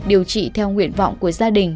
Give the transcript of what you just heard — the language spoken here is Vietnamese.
điều trị theo nguyện vọng của gia đình